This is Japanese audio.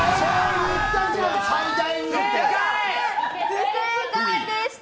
不正解でした。